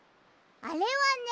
あれはね